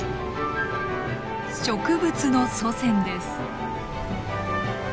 植物の祖先です。